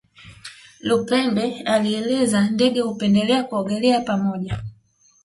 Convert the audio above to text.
Lupembe alieleza Ndege hupendelea kuogelea pamoja